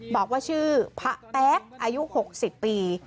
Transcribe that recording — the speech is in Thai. บอกว่าชื่อพระแป๊กอายุ๖๐ปี